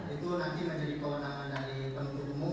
itu nanti menjadi kewenangan dari penutupmu